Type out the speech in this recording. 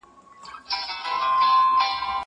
هغه څوک چي ښوونځی ته ځي زدکړه کوي!!